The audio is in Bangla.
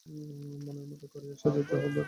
মনের মতো করিয়া সাজাইতে তাঁহার বড়ো আনন্দ।